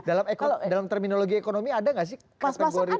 dalam ekonomi dalam terminologi ekonomi ada gak sih kategori pas pasan itu